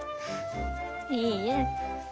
いいえ。